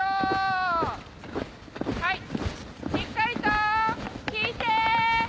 はいしっかりと引いて。